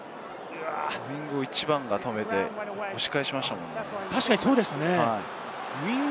ウイングを１番が止めて、押し返しましたもんね。